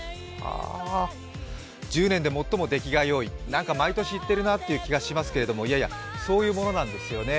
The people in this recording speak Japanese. １０年で最も出来がよい、毎年言っているなという気がしますがそういうものなんですよね。